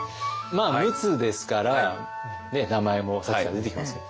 まあ「陸奥」ですから名前もさっきから出てきてますけど。